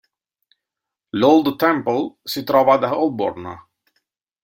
L"'Old Temple" si trovava ad Holborn.